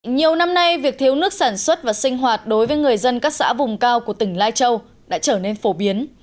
nhiều năm nay việc thiếu nước sản xuất và sinh hoạt đối với người dân các xã vùng cao của tỉnh lai châu đã trở nên phổ biến